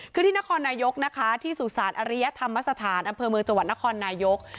คือที่นครนายกนะคะที่สุสานอริยธรรมสถานอำเภอเมืองจังหวัดนครนายก